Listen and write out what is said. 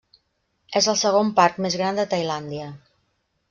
És el segon parc més gran de Tailàndia.